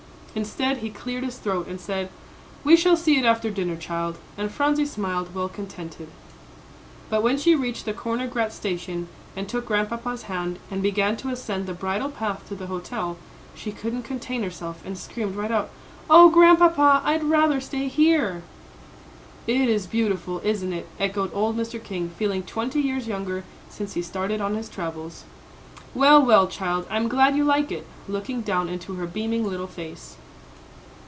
Instead, he cleared his throat, and said, "We shall see it after dinner, child," and Phronsie smiled, well contented. But when she reached the Corner Grat station, and took Grandpapa's hand, and began to ascend the bridle path to the hotel, she couldn't contain herself, and screamed right out, "Oh, Grandpapa, I'd rather stay here." "It is beautiful, isn't it?" echoed old Mr. King, feeling twenty years younger since he started on his travels. "Well, well, child, I'm glad you like it," looking down into her beaming little face.